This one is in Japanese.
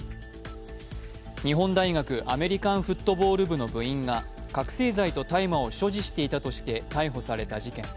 日本大学アメリカンフットボール部の部員が覚醒剤と大麻を所持していたとして逮捕された事件。